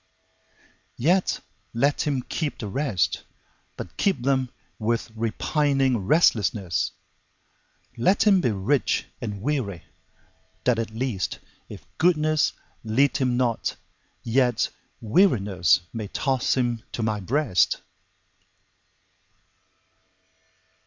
Yet let him keep the rest, But keep them with repining restlessness; Let him be rich and weary, that at least, If goodness lead him not, yet wearinessMay toss him to My breast.